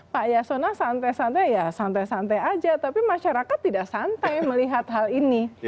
pak yasona santai santai ya santai santai aja tapi masyarakat tidak santai melihat hal ini